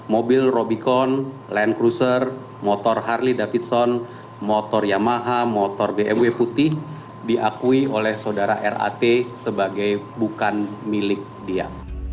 mobil robicon land cruiser motor harley davidson motor yamaha motor bmw putih diakui oleh saudara rat sebagai bukan milik dia